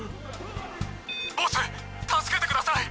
ボス助けてください！